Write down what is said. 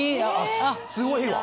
すごいわ。